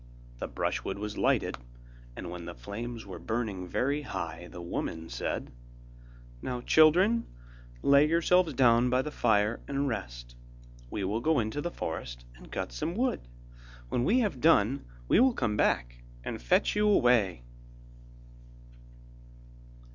The brushwood was lighted, and when the flames were burning very high, the woman said: 'Now, children, lay yourselves down by the fire and rest, we will go into the forest and cut some wood. When we have done, we will come back and fetch you away.